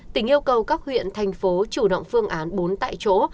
tỉnh yêu cầu các huyện thành phố chủ động phương án bốn tại chỗ